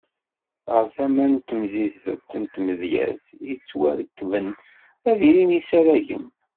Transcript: Ɣer tama n temsizzelt n tmedyazt yettwarekben, ad ilin yisaragen.